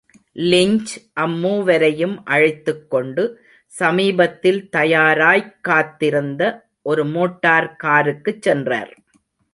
Lynch அம்மூவரையும் அழைத்துக் கொண்டு சமீபத்தில் தயாராய்க்காத் திருந்த ஒரு மோட்டார்காருக்குச் சென்றார்.